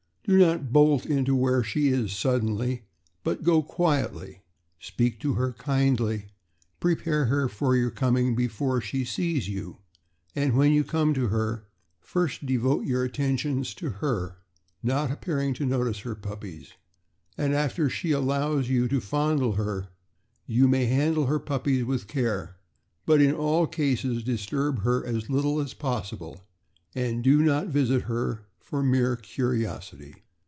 Do not bolt into where she is suddenly, but go quietly; speak to her kindly; prepare her for your coming before she sees you, and when you come to her, first devote your attentions to her, not appearing to notice her puppies, and after she allows you to fondle her, you may handle her puppies with care; but in all cases disturb her as little as possible, and do not visit her for mere curiosity.